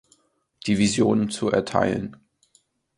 Division zu erteilen.